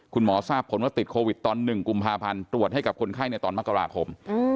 คุณหมอทราบผลว่าติดโควิดตอน๑กุมภาพันธ์ตรวจให้กับคนไข้ในตอนมกราคม